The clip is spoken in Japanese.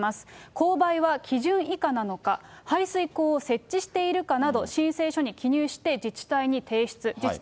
勾配は基準以下なのか、排水溝を設置しているかなど、申請書に記入して自治体に提出。